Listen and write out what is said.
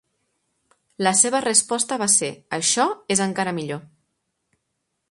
La seva resposta va ser, Això és encara millor!